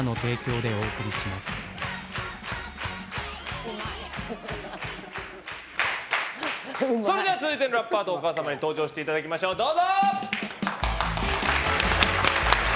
東京海上日動それでは続いてのラッパーとお母様に登場していただきましょうどうぞ！